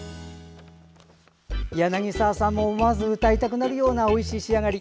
柳澤さんも思わず歌いたくなるようなおいしい仕上がり。